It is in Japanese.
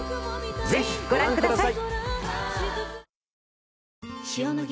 ぜひご覧ください。